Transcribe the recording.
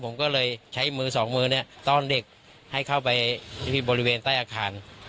ผมก็เลยใช้มือสองมือเนี่ยต้อนเด็กให้เข้าไปบริเวณใต้อาคาร